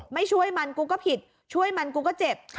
ไม่ช่วยมันกูก็ผิดช่วยมันกูก็เจ็บ